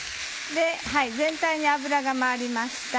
全体に油が回りました。